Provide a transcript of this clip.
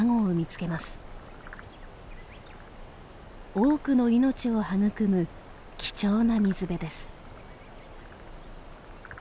多くの命を育む貴重な水辺です。